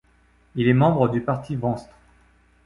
Il est membre du parti Venstre.